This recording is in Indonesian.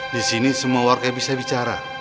disini semua warga bisa bicara